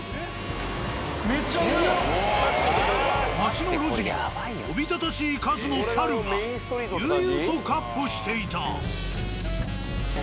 町の路地におびただしい数の猿が悠々と闊歩していた。